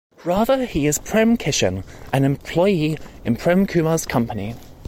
Rather, he is Prem Kishen, an employee in Prem Kumar's company.